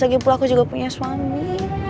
lagipula aku juga punya suami